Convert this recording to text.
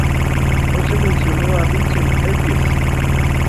No se mencionó a Mitchell-Hedges.